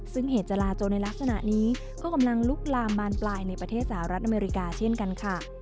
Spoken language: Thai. ซึ่งเหตุจราจนในลักษณะนี้ก็กำลังลุกลามบานปลายในประเทศสหรัฐอเมริกาเช่นกันค่ะ